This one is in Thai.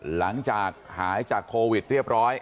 หลังจากหายจากโควิดเรียบร้อย